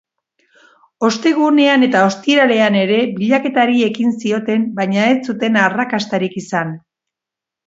Ostegunean eta ostiralean ere bilaketari ekin zioten baina ez zuten arrakastarik izan.